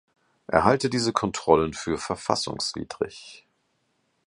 Er halte diese Kontrollen für verfassungswidrig.